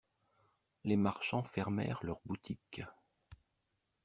Les marchands fermèrent leurs boutiques.